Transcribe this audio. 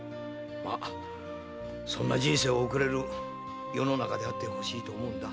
そんな人生を送れる世の中であってほしいと思うんだ。